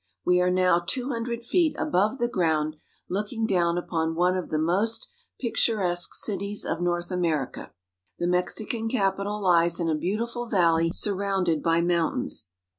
VVe are now two hundred feet above the ground, looking down upon one of the most picturesque cities of North America. The Mexican capital lies in a beautiful valley surrounded by mountains.